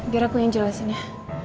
biar aku yang jelasin ya